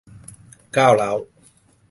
ก้าวร้าว